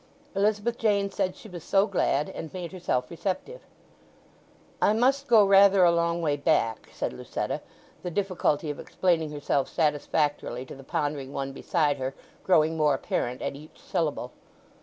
Elizabeth Jane said she was so glad, and made herself receptive. "I must go rather a long way back," said Lucetta, the difficulty of explaining herself satisfactorily to the pondering one beside her growing more apparent at each syllable.